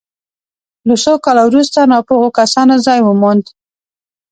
له څو کالو وروسته ناپوهو کسانو ځای وموند.